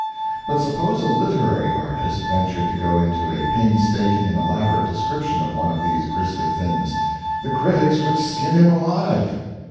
But suppose a literary artist ventured to go into a painstaking and elaborate description of one of these grisly things the critics would skin him alive.